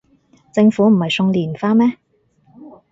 政府唔係送連花咩